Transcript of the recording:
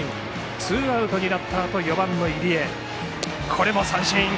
ツーアウトになったあと４番の入江も三振。